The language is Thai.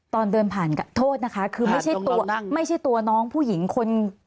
ตอนเดินผ่านกันโทษนะคะคือไม่ใช่ตัวตรงน้องนั่งไม่ใช่ตัวน้องผู้หญิงคน